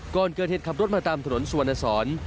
ก่อนเกิดเหตุขับรถมาตามถนนสุวรรณสอน